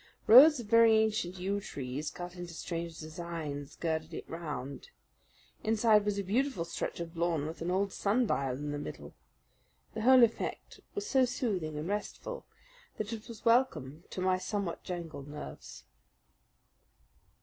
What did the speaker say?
Rows of very ancient yew trees cut into strange designs girded it round. Inside was a beautiful stretch of lawn with an old sundial in the middle, the whole effect so soothing and restful that it was welcome to my somewhat jangled nerves.